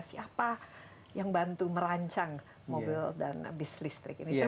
siapa yang bantu merancang mobil dan bis listrik ini